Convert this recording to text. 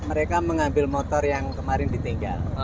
mereka mengambil motor yang kemarin ditinggal